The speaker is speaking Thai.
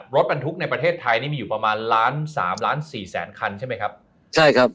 รถบรรทุกในประเทศไทยนี่มีอยู่ประมาณล้านสามล้านสี่แสนคันใช่ไหมครับใช่ครับ